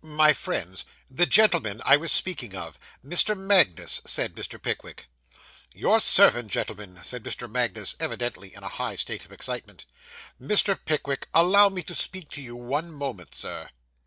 'My friends, the gentleman I was speaking of Mr. Magnus,' said Mr. Pickwick. 'Your servant, gentlemen,' said Mr. Magnus, evidently in a high state of excitement; 'Mr. Pickwick, allow me to speak to you one moment, sir.